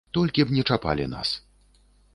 Толькі б не чапалі нас.